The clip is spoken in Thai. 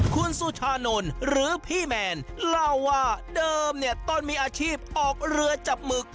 คุณสุชานนท์หรือพี่แมนเล่าว่าเดิมเนี่ยต้นมีอาชีพออกเรือจับหมึก